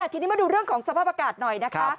ทีนี้มาดูเรื่องของสภาพอากาศหน่อยนะคะ